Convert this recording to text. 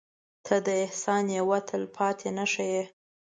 • ته د احساس یوه تلپاتې نښه یې.